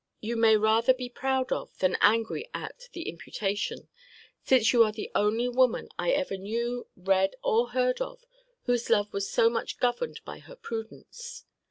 You may rather be proud of than angry at the imputation; since you are the only woman I ever knew, read, or heard of, whose love was so much governed by her prudence.